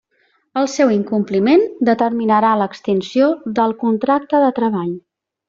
El seu incompliment determinarà l'extinció del contracte de treball.